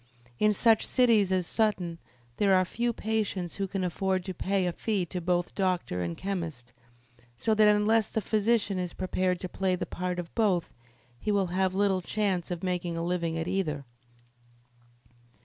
In such cities as Sutton there are few patients who can afford to pay a fee to both doctor and chemist, so that unless the physician is prepared to play the part of both he will have little chance of making a living at either.